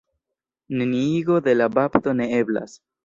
Neniigo de la bapto ne eblas.